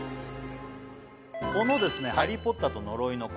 このですね「ハリー・ポッターと呪いの子」